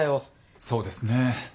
そうですね。